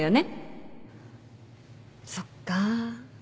そっか。